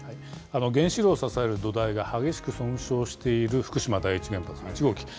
原子炉を支える土台が激しく損傷している福島第一原発の１号機。